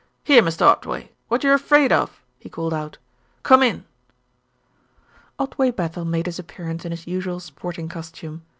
Here, Mr. Otway, what are you afraid of?" he called out. "Come in." Otway Bethel made his appearance in his usual sporting costume.